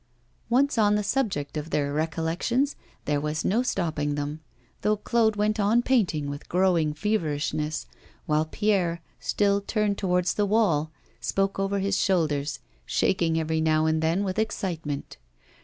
Once on the subject of their recollections there was no stopping them, though Claude went on painting with growing feverishness, while Pierre, still turned towards the wall, spoke over his shoulders, shaking every now and then with excitement.